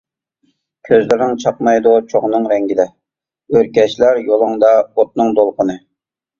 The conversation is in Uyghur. كۆزلىرىڭ چاقنايدۇ چوغنىڭ رەڭگىدە، ئۆركەشلەر يولۇڭدا ئوتنىڭ دولقۇنى.